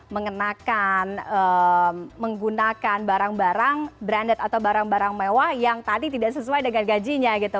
mengenakan menggunakan barang barang branded atau barang barang mewah yang tadi tidak sesuai dengan gajinya gitu